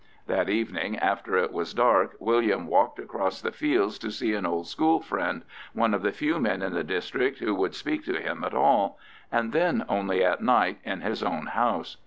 That evening, after it was dark, William walked across the fields to see an old school friend, one of the few men in the district who would speak to him at all, and then only at night in his own house.